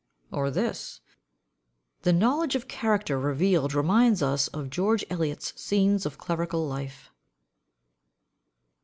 Or this: "The knowledge of character revealed reminds us of George Eliot's 'Scenes of Clerical Life.